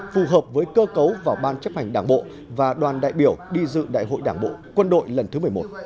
phù hợp với cơ cấu vào ban chấp hành đảng bộ và đoàn đại biểu đi dự đại hội đảng bộ quân đội lần thứ một mươi một